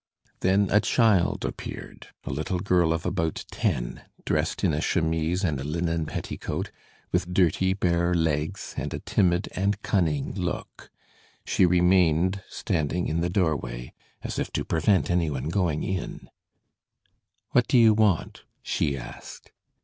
Then a child appeared, a little girl of about ten, dressed in a chemise and a linen petticoat, with dirty, bare legs and a timid and cunning look. She remained standing in the doorway, as if to prevent any one going in. "What do you want?" she asked.